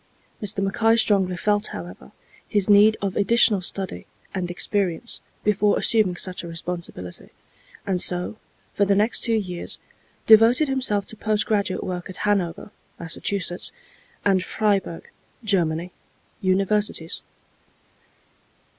Mr. Mackay strongly felt, however, his need of additional study and experience before assuming such a responsibility; and so, for the next two years, devoted himself to post graduate work at Hanover (Mass.) and Freiburg (Germany) Universities.